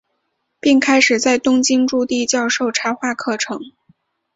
并开始在东京筑地教授插画课程。